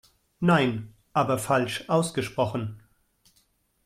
Nein, aber falsch ausgesprochen.